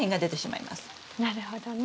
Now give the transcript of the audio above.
なるほどね。